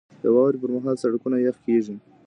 • د واورې پر مهال سړکونه یخ کېږي.